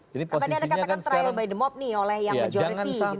jadi posisinya kan sekarang